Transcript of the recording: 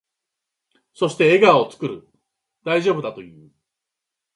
そして、笑顔を作る。大丈夫だと言う。